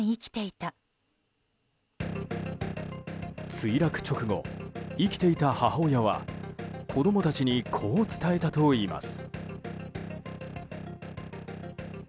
墜落直後生きていた母親は子供たちにこう伝えたといいます。